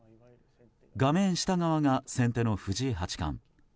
画面下側が先手の藤井八冠。